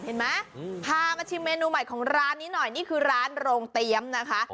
เห็นไหมพามาชิมเมนูใหม่ของร้านนี้หน่อยนี่คือร้านโรงเตรียมนะคะ